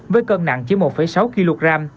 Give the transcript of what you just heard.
với cân nặng chỉ một sáu kg